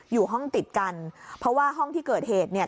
อยู่ห้องติดกันเพราะว่าห้องที่เกิดเหตุเนี่ย